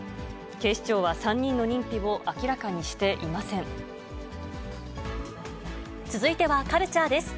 警視庁は３人の認否を明らかにし続いてはカルチャーです。